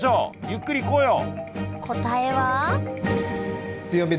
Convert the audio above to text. ゆっくりいこうよ。